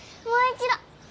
もう一度。